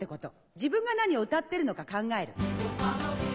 自分が何を歌ってるのか考える。